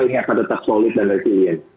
ini akan tetap solid dan resilient